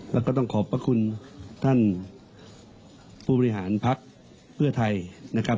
แล้วก็ต้องขอบพระคุณท่านผู้บริหารภักดิ์เพื่อไทยนะครับ